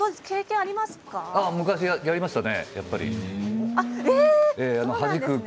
昔やりましたよ。